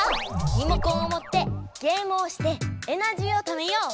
リモコンをもってゲームをしてエナジーをためよう！